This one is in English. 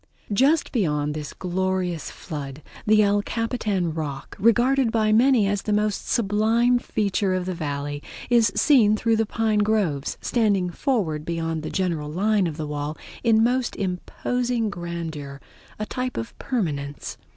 Just beyond this glorious flood the El Capitan Rock, regarded by many as the most sublime feature of the Valley, is seen through the pine groves, standing forward beyond the general line of the wall in most imposing grandeur, a type of permanence.